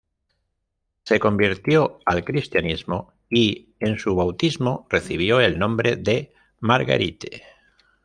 Se convirtió al cristianismo; y, en su bautismo, recibió el nombre de Marguerite.